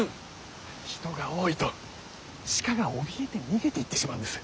人が多いと鹿がおびえて逃げていってしまうんです。